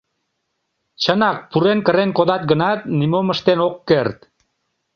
Чынак, пурен, кырен кодат гынат, нимом ыштен ок керт.